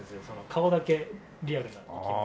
顔だけリアルな生き物。